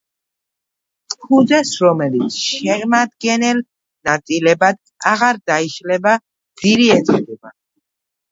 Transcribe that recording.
ფუძეს, რომელიც შემადგენელ ნაწილებად აღარ დაიშლება, ძირი ეწოდება.